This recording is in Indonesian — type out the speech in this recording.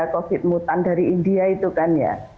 covid mutan dari india itu kan ya